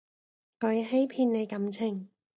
佢欺騙你感情